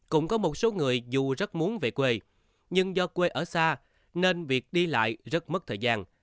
cũng có một số người dù rất muốn về quê nhưng do quê ở xa nên việc đi lại rất mất thời gian